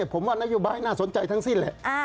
ผมว่านโยบายน่าสนใจทั้งสิ้นแหละ